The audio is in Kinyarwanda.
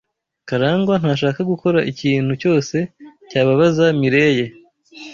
Karangwa ntashaka gukora ikintu cyose cyababaza Mirelle.